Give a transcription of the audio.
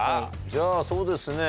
じゃあそうですね